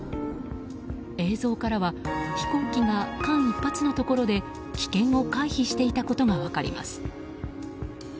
映像からは飛行機が間一髪のところで危険を回避していたことが分かります。